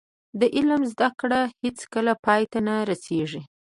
د علم زده کړه هیڅکله پای ته نه رسیږي.